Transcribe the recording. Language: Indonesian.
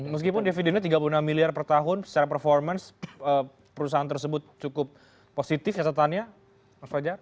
meskipun dividennya tiga puluh enam miliar per tahun secara performance perusahaan tersebut cukup positif catatannya mas fajar